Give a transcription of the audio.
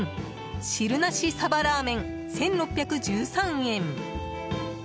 汁なし鯖ラーメン、１６１３円。